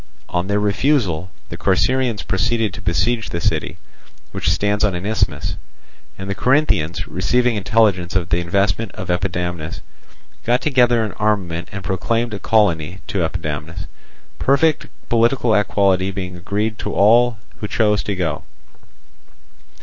On their refusal the Corcyraeans proceeded to besiege the city, which stands on an isthmus; and the Corinthians, receiving intelligence of the investment of Epidamnus, got together an armament and proclaimed a colony to Epidamnus, perfect political equality being guaranteed to all who chose to go.